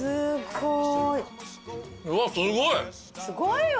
すごい！